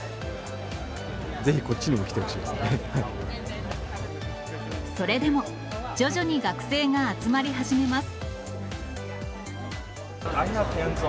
ぜひこっちにも来てほしいでそれでも、徐々に学生が集まり始めます。